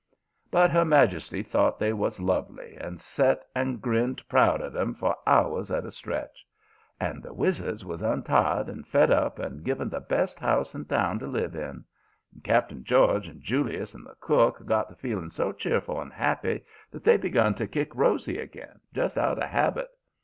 "But her majesty thought they was lovely, and set and grinned proud at 'em for hours at a stretch. And the wizards was untied and fed up and given the best house in town to live in. And Cap'n George and Julius and the cook got to feeling so cheerful and happy that they begun to kick Rosy again, just out of habit.